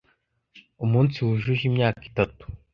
Umunsi wujuje imyaka itatu